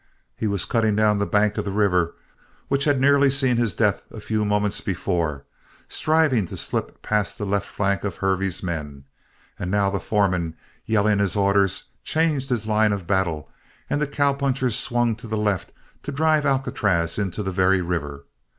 He was cutting down the bank of the river which had nearly seen his death a few moments before, striving to slip past the left flank of Hervey's men, and now the foreman, yelling his orders, changed his line of battle, and the cowpunchers swung to the left to drive Alcatraz into the very river.